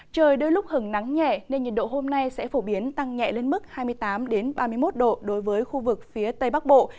trời đôi lúc hứng nắng nhẹ nên nhiệt độ hôm nay sẽ phổ biến tăng nhẹ lên mức hai mươi tám ba mươi một độ đối với khu vực phía tây bắc bộ